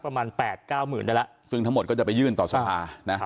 ประมาณแปดเก้าหมื่นได้แล้วซึ่งทั้งหมดก็จะไปยื่นต่อสภานะครับ